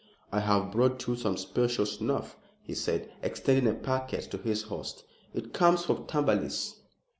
"I have brought you some special snuff," he said, extending a packet to his host. "It comes from Taberley's."